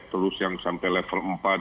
terus yang sampai level empat